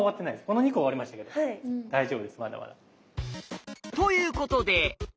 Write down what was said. この２個は終わりましたけど大丈夫ですまだまだ。ということで。